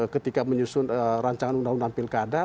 ketika menyusun rancangan undang undang pilkada